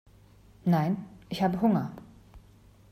Nein, ich habe Hunger.